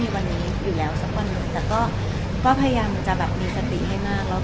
พยายามจะมีสติให้มาก